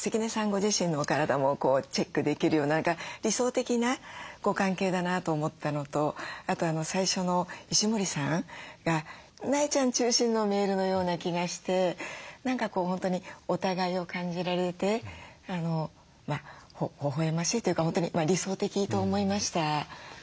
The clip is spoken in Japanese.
ご自身のお体もチェックできるような理想的なご関係だなと思ったのとあと最初の石森さんが苗ちゃん中心のメールのような気がして何か本当にお互いを感じられてほほえましいというか本当に理想的と思いました。